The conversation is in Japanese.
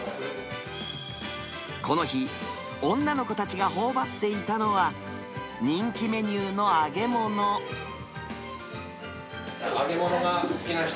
この日、女の子たちがほおばっていたのは、揚げ物が好きな人？